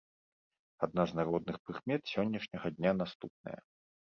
Адна з народных прыкмет сённяшняга дня наступная.